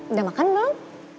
udah makan belum